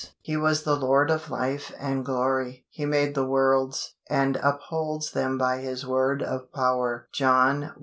He was the Lord of life and glory. He made the worlds, and upholds them by His word of power (John i.